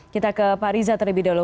kita ke pak riza terlebih dahulu